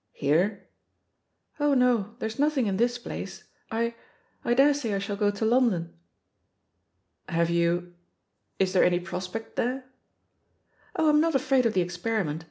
"Here?" "Oh no, there's nothing in this place. I — I daresay I shall go to London." "Have you — ^is there any prospect there?" "Oh, I'm not afraid of the experiment.